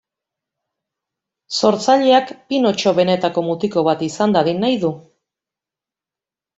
Sortzaileak Pinotxo benetako mutiko bat izan dadin nahi du.